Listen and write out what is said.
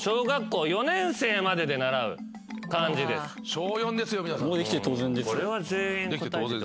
小４ですよ皆さん。